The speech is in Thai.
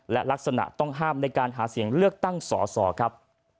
และลักษณะต้องห้ามในการหาเสียงเลือกตั้งสอสอครับ